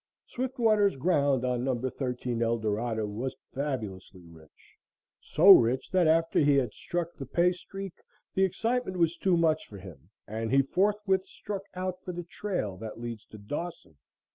Swiftwater's ground on No. 13 Eldorado was fabulously rich so rich that after he had struck the pay streak, the excitement was too much for him and he forthwith struck out for the trail that leads to Dawson.